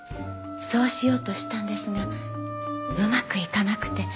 そうしようとしたんですがうまくいかなくて。